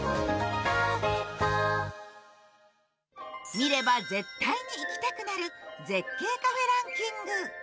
見れば絶対に行きたくなる絶景カフェランキング。